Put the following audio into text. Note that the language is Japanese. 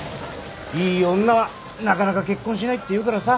いい女はなかなか結婚しないっていうからさ。